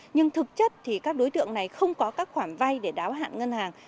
nhưng thực chất thì các đối tượng này không có các khoản vay để đáo hạn ngân hàng